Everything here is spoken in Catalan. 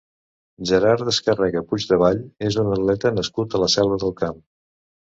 Gerard Descarrega Puigdevall és un atleta nascut a la Selva del Camp.